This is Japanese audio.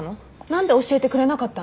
何で教えてくれなかったの？